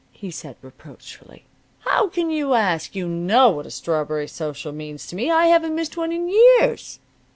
he said reproachfully. "How can you ask? You know what a strawberry social means to me! I haven't missed one in years!"